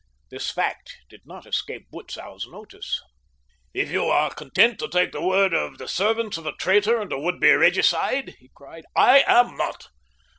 This fact did not escape Butzow's notice. "If you are content to take the word of the servants of a traitor and a would be regicide," he cried, "I am not.